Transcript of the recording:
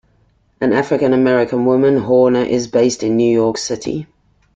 An African-American woman, Horner is based in New York City.